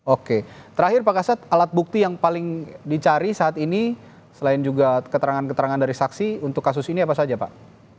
oke terakhir pak kasat alat bukti yang paling dicari saat ini selain juga keterangan keterangan dari saksi untuk kasus ini apa saja pak